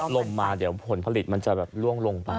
เพราะลมมาเดี๋ยวผลผลิตมันจะล่วงลงไป